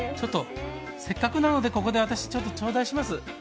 せっかくなのでここで私、ちょうだいします。